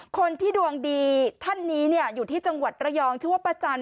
คนที่ดวงดีท่านนี้อยู่ที่จังหวัดระยองชื่อว่าป้าจัน